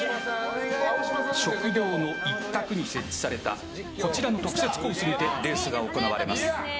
食堂の一角に設置されたこちらの特設コースにてレースが行われます。